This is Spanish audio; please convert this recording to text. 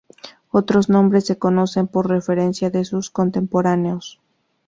Otros nombres se conocen por referencias de sus contemporáneos.